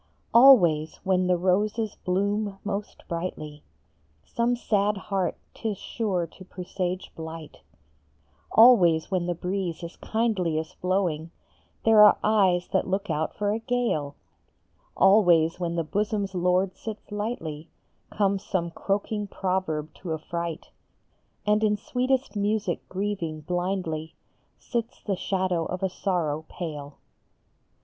LWAYS when the roses bloom most brightly, Some sad heart is sure to presage blight ; Always when the breeze is kindliest blowing There are eyes that look out for a gale ; Always when the bosom s lord sits lightly Comes some croaking proverb to affright, And in sweetest music grieving blindly Sits the shadow of a sorrow pale.